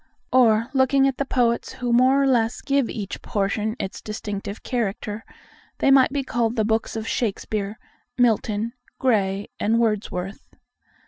Or, looking at the poets who more or less give each portion its distinctive character, they might be called the Books of Shakespeare, Milton, Gray, and Wordsworth.